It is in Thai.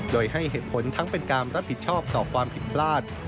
โดยให้เหตุผลทั้งเป็นการรับผิดชอบต่อความผิดพลาด